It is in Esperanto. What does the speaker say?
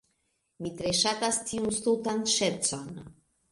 Mi tre ŝatas tiun stultan ŝercon.